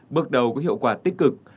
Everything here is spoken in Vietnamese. bước đầu có hiệu quả tích cực